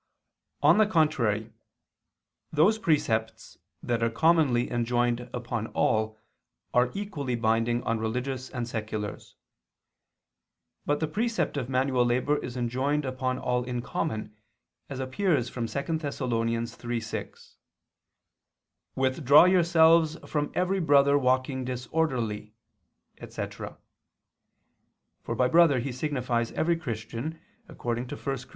On the contrary, Those precepts that are commonly enjoined upon all are equally binding on religious and seculars. But the precept of manual labor is enjoined upon all in common, as appears from 2 Thess. 3:6, "Withdraw yourselves from every brother walking disorderly," etc. (for by brother he signifies every Christian, according to 1 Cor.